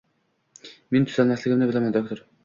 Men tuzalmasligimni bilaman doktor